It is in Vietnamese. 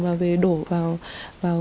và về đổ vào